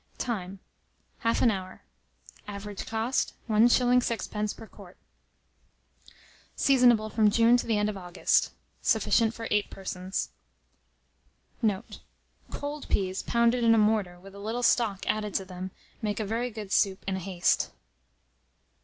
Time. Half an hour. Average cost, 1s. 6d. per quart. Seasonable from June to the end of August. Sufficient for 8 persons. Note. Cold peas pounded in a mortar, with a little stock added to them, make a very good soup in haste.